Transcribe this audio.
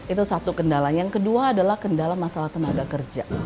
itu satu kendalanya yang kedua adalah kendala masalah tenaga kerja